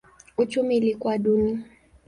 Uchumi ilikuwa duni.